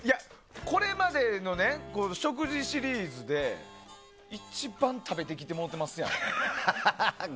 これまでの食事シリーズで一番食べてきてもうてますやん。